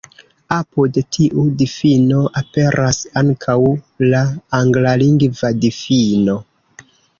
Apud tiu difino aperas ankaŭ la anglalingva difino.